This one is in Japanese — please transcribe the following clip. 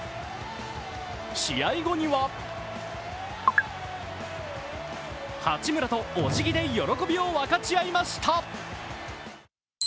試合後には八村とお辞儀で喜びを分かち合いました。